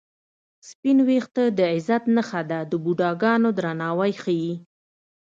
سپین وېښته د عزت نښه ده د بوډاګانو درناوی ښيي